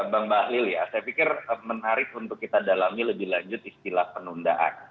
bang bahlil ya saya pikir menarik untuk kita dalami lebih lanjut istilah penundaan